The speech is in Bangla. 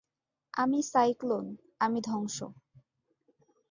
আমি সাইক্লোন, আমি ধ্বংস!